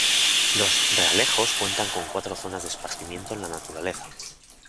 Los Realejos cuenta con cuatro zonas de esparcimiento en la naturaleza.